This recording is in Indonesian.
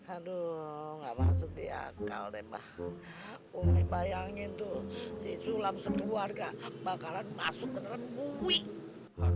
aduh nggak masuk di akal deh mbak bayangin tuh sisulang sekeluarga bakalan masuk ke